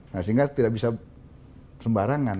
sehingga tidak bisa sembarangan